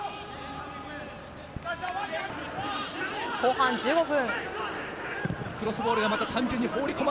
後半１５分。